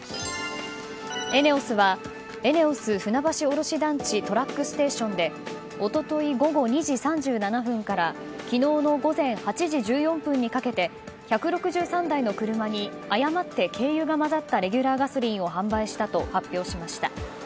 ＥＮＥＯＳはＥＮＥＯＳ船橋卸団地トラックステーションで一昨日午後２時３７分から昨日の午前８時１４分にかけて１６３台の車に誤って軽油が混ざったレギュラーガソリンを販売したと発表しました。